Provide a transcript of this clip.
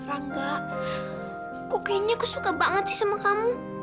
karangga kok gini aku suka banget sih sama kamu